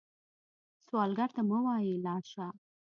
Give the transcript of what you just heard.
سوالګر ته مه وايئ “لاړ شه”